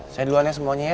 saya duluan ya semuanya ya